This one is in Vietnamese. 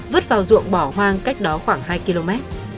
vứt vào ruộng bỏ hoang cách đó khoảng hai km